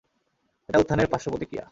এটা উত্থানের পার্শ্বপ্রতিক্রিয়া।